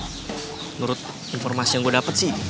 menurut informasi yang gua dapet sih